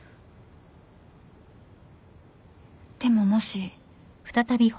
でももし。